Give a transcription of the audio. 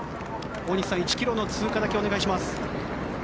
大西さん、１ｋｍの通過だけお願いします。